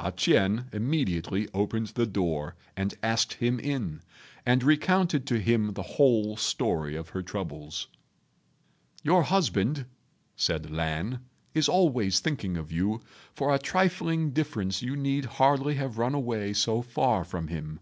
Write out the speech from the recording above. A ch'ien immediately opened the door and asked him in, and recounted to him the whole story of her troubles. "Your husband," said Lan, "is always thinking of you. For a trifling difference you need hardly have run away so far from him."